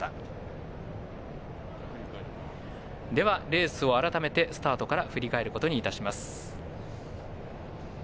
レースを改めてスタートから振り返ることにいたします。